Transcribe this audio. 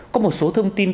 có một số thông tin